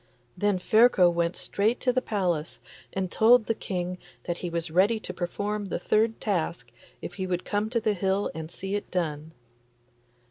Then Ferko went straight to the palace and told the King that he was ready to perform the third task if he would come to the hill and see it done.